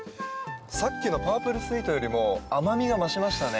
さっきのパープルスイートよりも甘味が増しましたね。